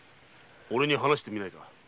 俺に話してみないか。